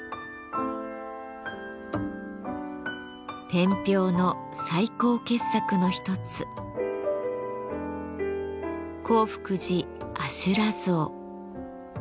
天平の最高傑作の一つ興福寺阿修羅像。